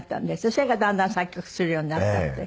それからだんだん作曲するようになったって。